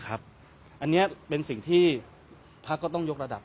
อันนี้เป็นสิ่งที่พักก็ต้องยกระดับ